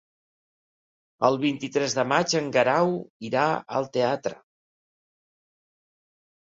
El vint-i-tres de maig en Guerau irà al teatre.